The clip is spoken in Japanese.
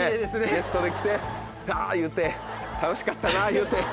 ゲストで来てガ言うて楽しかったな言うて。